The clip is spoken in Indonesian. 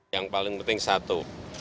yang paling penting satu